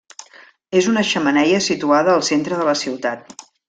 És una xemeneia situada al centre de la ciutat.